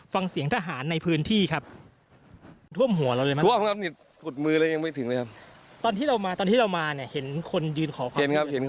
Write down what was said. ฟังเสียงทหารในพื้นที่ครับ